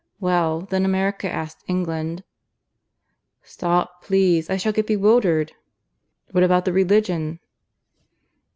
Well, then America asked England " "Stop, please. I shall get bewildered. What about the religion?"